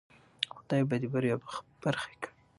خدای به دی بریا په برخه کړی